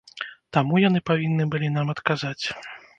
Таму яны павінны былі нам адказаць.